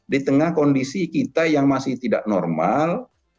di tengah kondisi kita yang masih tidak normal